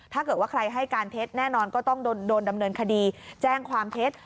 ถ้าเกิดว่าใครให้การเท็จแน่นอนก็ต้องโดนดำเนินคดีแจ้งความเท็จ